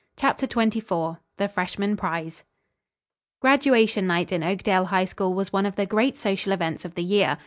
CHAPTER XXIV THE FRESHMAN PRIZE Graduation night in Oakdale High School was one of the great social events of the year.